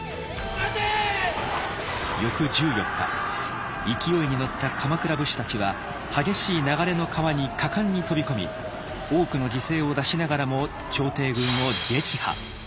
翌１４日勢いに乗った鎌倉武士たちは激しい流れの川に果敢に飛び込み多くの犠牲を出しながらも朝廷軍を撃破。